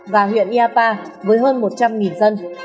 và huyện iapa với hơn một trăm linh dân